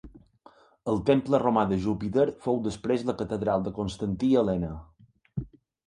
El temple romà de Júpiter fou després la catedral de Constantí i Helena.